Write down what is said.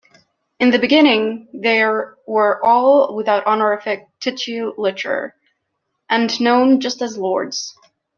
In the beginning, they were all without honorific titulature, and known just as "lords".